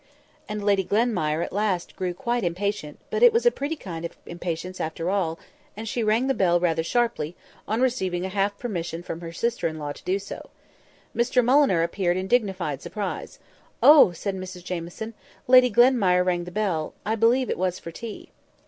And Lady Glenmire at last grew quite impatient, but it was a pretty kind of impatience after all; and she rang the bell rather sharply, on receiving a half permission from her sister in law to do so. Mr Mulliner appeared in dignified surprise. "Oh!" said Mrs Jamieson, "Lady Glenmire rang the bell; I believe it was for tea."